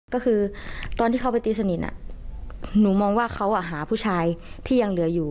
ก็คือตอนที่เขาไปตีสนิทหนูมองว่าเขาหาผู้ชายที่ยังเหลืออยู่